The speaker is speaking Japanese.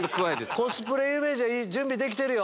コスプレ有名人は準備できてるよ。